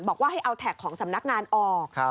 บอกว่าให้เอาแท็กของสำนักงานออก